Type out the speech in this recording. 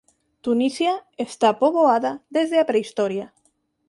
Tunisia está poboada desde a prehistoria.